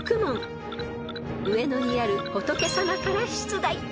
［上野にある仏様から出題］